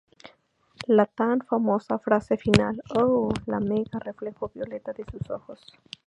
La tan famosa frase final "¡Oh, la Omega, reflejo violeta de Sus Ojos!